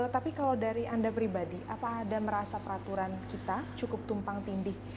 tapi kalau dari anda pribadi apa ada merasa peraturan kita cukup tumpang tindih